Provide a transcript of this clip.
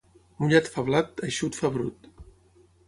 Mullat fa blat, eixut fa brut.